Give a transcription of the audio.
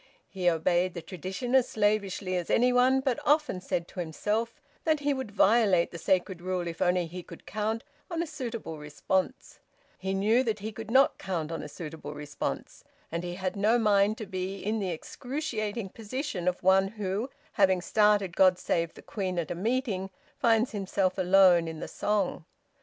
He obeyed the tradition as slavishly as anyone, but often said to himself that he would violate the sacred rule if only he could count on a suitable response; he knew that he could not count on a suitable response; and he had no mind to be in the excruciating position of one who, having started "God save the Queen" at a meeting, finds himself alone in the song.